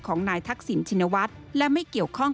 ของนายทักษิณชินวัฒน์และไม่เกี่ยวข้อง